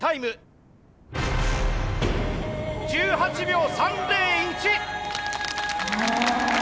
１８秒３０１。